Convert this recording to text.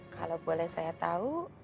kalau boleh saya tahu